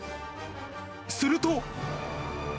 すると。